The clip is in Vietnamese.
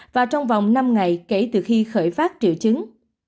và trong vòng năm ngày kể từ khi khởi phát triệu chứng